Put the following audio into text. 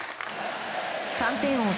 ３点を追う